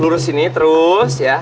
lurus sini terus ya